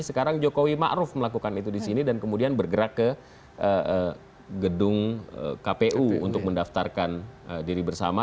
sekarang jokowi ⁇ maruf ⁇ melakukan itu di sini dan kemudian bergerak ke gedung kpu untuk mendaftarkan diri bersama